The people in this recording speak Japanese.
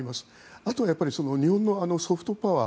あとはやはり日本のソフトパワー。